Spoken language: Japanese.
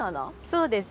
そうですね。